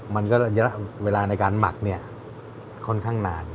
มันก็ระยะเวลาในการหมักเนี่ยค่อนข้างนาน